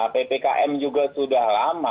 ppkm juga sudah lama